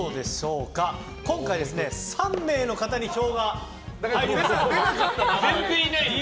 今回、３名の方に票が入りました。